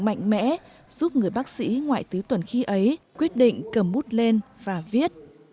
mạnh mẽ giúp người bác sĩ ngoại tứ tuần khi ấy quyết định cầm bút lên và viết